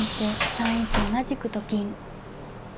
３一同じくと金。